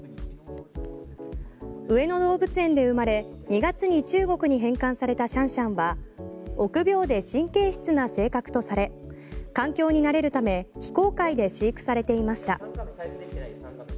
上野動物園で生まれ２月に中国に返還されたシャンシャンは臆病で神経質な性格とされ環境に慣れるため非公開で飼育されていました。